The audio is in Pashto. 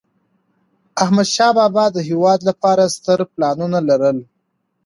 احمدشاه بابا د هېواد لپاره ستر پلانونه لرل.